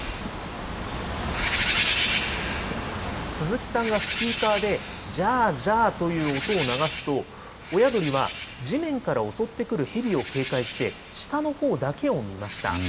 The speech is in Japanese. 鈴木さんがスピーカーでジャージャーという音を流すと、親鳥は地面から襲ってくるヘビを警戒して、下のほうだけを見ました。